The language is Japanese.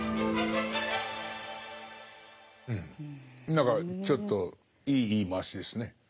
何かちょっといい言い回しですね。